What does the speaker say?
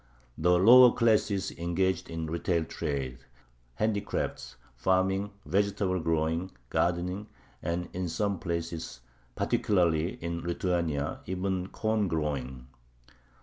The lower classes engaged in retail trade, handicrafts, farming, vegetable growing, gardening, and, in some places, particularly in Lithuania, even in corn growing.